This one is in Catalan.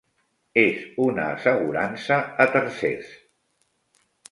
és una assegurança a tercers.